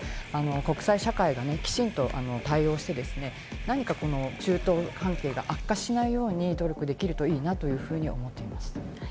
国際社会がきちんと対応して、何か中東関係が悪化しないように努力できるといいなというふうに思っています。